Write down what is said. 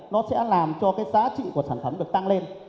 nó sẽ làm cho cái giá trị của sản phẩm được tăng lên